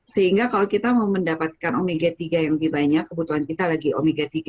sehingga kalau kita mau mendapatkan omega tiga yang lebih banyak kebutuhan kita lagi omega tiga